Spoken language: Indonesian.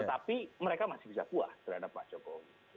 tetapi mereka masih bisa puas terhadap pak jokowi